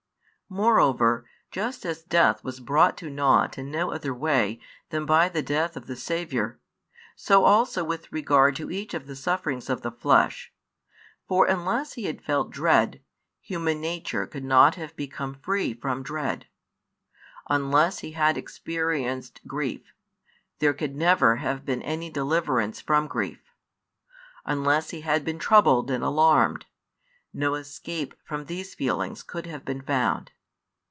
Moreover, just as death was brought to naught in no other way than by the Death of the Saviour, so also with regard to each of the sufferings of the flesh: for unless He had felt dread, human nature could not have become free from dread; unless He had experienced grief, there could never have been any deliverance from grief; unless He had been troubled and alarmed, no escape from these feelings could have been found.